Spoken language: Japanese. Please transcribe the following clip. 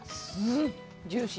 ジューシー。